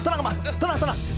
tenang pak tenang